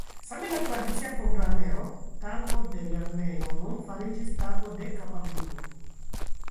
Same la tradicia programero Tago de lernejo nun fariĝis Tago de kapabligo.